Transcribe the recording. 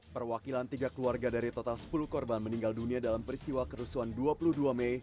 perwakilan tiga keluarga dari total sepuluh korban meninggal dunia dalam peristiwa kerusuhan dua puluh dua mei